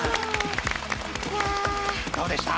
どうでした？